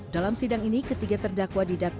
dalam sidang ini ketiga terdakwa didakwa